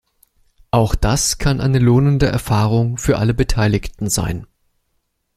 Auch das kann eine lohnende Erfahrung für alle Beteiligten sein.